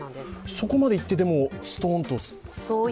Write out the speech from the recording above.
そこまでいって、でもストンと？